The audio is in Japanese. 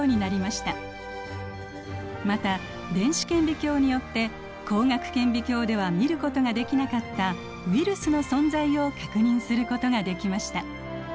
また電子顕微鏡によって光学顕微鏡では見ることができなかったウイルスの存在を確認することができました。